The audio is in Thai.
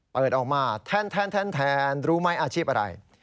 เปิดออกมาแทนรู้ไหมอาชีพอะไร